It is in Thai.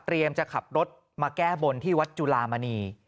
จะขับรถมาแก้บนที่วัดจุลามณี